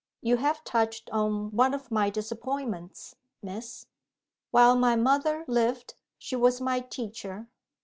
"You have touched on one of my disappointments, Miss. While my mother lived, she was my teacher.